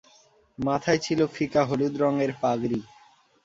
মাথায় ছিল ফিকা হলুদ রঙের পাগড়ি।